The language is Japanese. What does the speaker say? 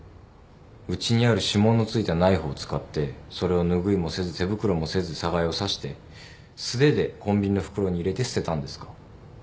うちにある指紋のついたナイフを使ってそれを拭いもせず手袋もせず寒河江を刺して素手でコンビニの袋に入れて捨てたんですか？